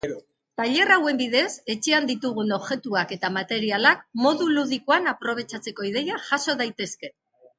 Tailer hauen bidez etxean ditugun objektuak eta materialak modu ludikoan aprobetxatzeko ideiak jaso daitezke.